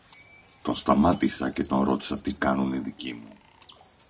Τον σταμάτησα και τον ρώτησα τι κάνουν οι δικοί μου